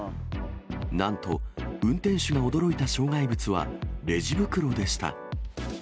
なんと、運転手が驚いた障害物はレジ袋でした。